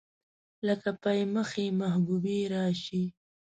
لکه پۍ مخې محبوبې راشي